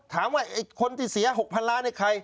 ถามว่าคนที่เสีย๖พันล้านยังไง